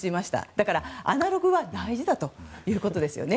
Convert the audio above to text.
だからアナログは大事だということですよね。